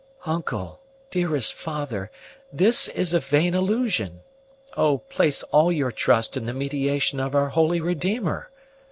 "Uncle! Dearest father! this is a vain illusion! Oh, place all your trust in the mediation of our Holy Redeemer!